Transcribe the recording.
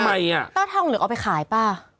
้าน์เดี๋ยวคะถ้าทองเหลืองเอาไปขายป่ะ